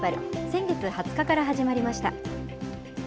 先月２０日から始まりました。